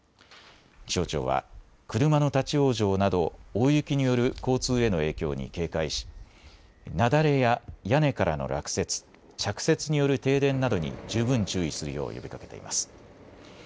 気象庁は車の立往生など大雪による交通への影響に警戒し雪崩や屋根からの落雪、着雪による停電などに十分注意するよう呼びかけています。